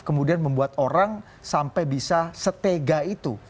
kemudian membuat orang sampai bisa setega itu